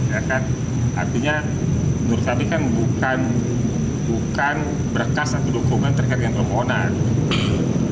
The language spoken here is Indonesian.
ya kan artinya menurut kami kan bukan berkas atau dukungan terkait dengan permohonan